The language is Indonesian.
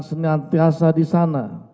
senyantiasa di sana